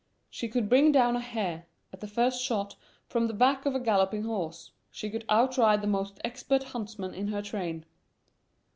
She could bring down a hare, at the first shot, from the back of a galloping horse; she could outride the most expert huntsman in her train.